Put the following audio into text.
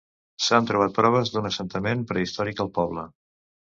S'han trobat proves d'un assentament prehistòric al poble.